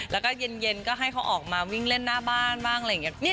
แล้วก็เย็นก็ให้เขาออกมาวิ่งเล่นหน้าบ้านบ้างอะไรอย่างนี้